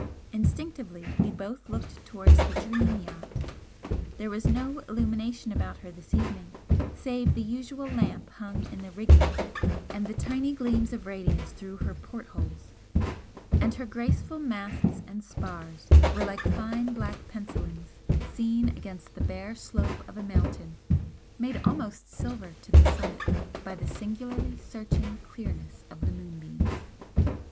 Instinctively we both looked towards the 'Dream' yacht, there was no illumination about her this evening save the usual lamp hung in the rigging and the tiny gleams of radiance through her port holes, and her graceful masts and spars were like fine black pencillings seen against the bare slope of a mountain made almost silver to the summit by the singularly searching clearness of the moonbeams.